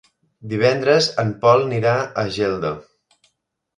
Divendres en Pol anirà a Geldo.